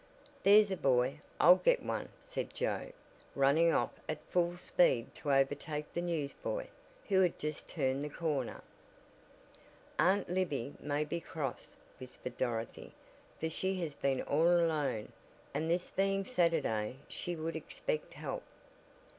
"There's a boy. I'll get one," said Joe, running off at full speed to overtake the newsboy, who had just turned the corner. "Aunt Libby may be cross," whispered Dorothy, "for she has been all alone, and this being Saturday she would expect help."